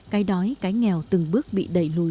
cái đói cái nghèo từng bước bị đẩy lùi